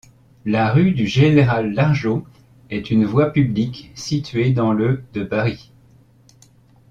La rue du Général-Largeau est une voie publique située dans le de Paris.